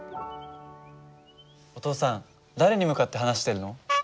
お父さん誰に向かって話してるの？